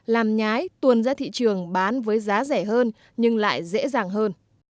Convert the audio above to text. làm nhái tuồn ra thị trường bán với giá rẻ hơn nhưng lại dễ dàng hơn